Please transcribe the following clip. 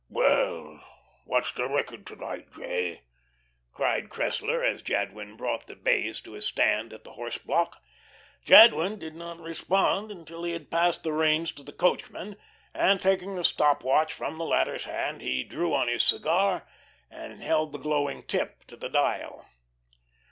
"Well, what's the record to night J.?" cried Cressler, as Jadwin brought the bays to a stand at the horse block. Jadwin did not respond until he had passed the reins to the coachman, and taking the stop watch from the latter's hand, he drew on his cigar, and held the glowing tip to the dial.